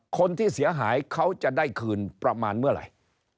คนที่เสียหายเขาจะได้คืนประมาณเมื่อไหร่